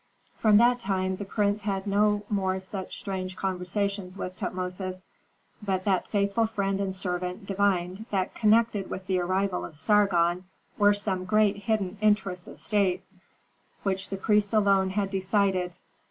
From that time the prince had no more such strange conversations with Tutmosis. But that faithful friend and servant divined that connected with the arrival of Sargon were some great hidden interests of state which the priests alone had decided.